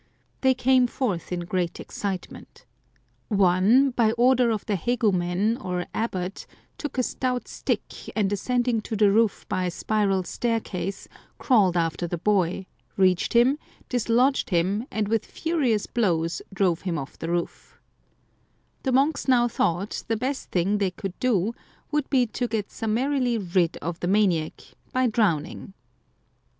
They came forth in great excite 187 Curiosities of Olden Times ment. One, by order of the hegumeri, or abbot, took a stout stick, and ascending to the roof by a spiral staircase, crawled after the boy, reached him, dislodged him, and with furious blows drove him off the roof/ The monks now thought the best thing they could do would be to get summarily rid of the maniac by drowning.